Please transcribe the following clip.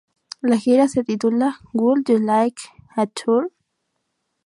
La gira se titula Would You Like A Tour?